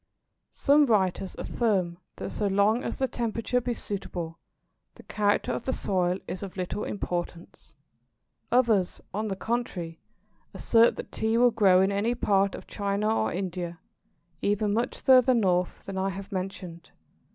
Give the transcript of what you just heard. Some writers affirm that so long as the temperature be suitable, the character of the soil is of little importance. Others, on the contrary, assert that Tea will grow in any part of China or India, even much further north than I have mentioned.